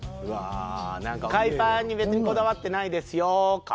「海パンに別にこだわってないですよ」か？